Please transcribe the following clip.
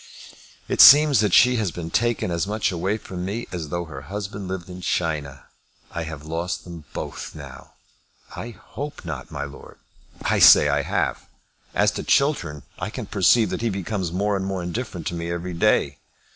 It seems that she has been taken as much away from me as though her husband lived in China. I have lost them both now!" "I hope not, my lord." "I say I have. As to Chiltern, I can perceive that he becomes more and more indifferent to me every day.